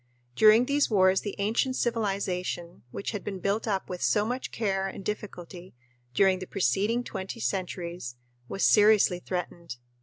During these wars the ancient civilization, which had been built up with so much care and difficulty during the preceding twenty centuries, was seriously threatened.